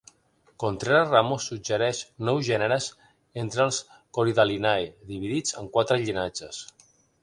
Contreras-Ramos suggereix nou gèneres entre els Corydalinae, dividits en quatre llinatges.